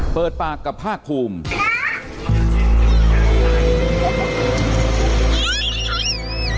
เปิดปากกับภาคภูมิ